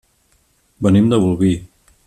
Venim de Bolvir.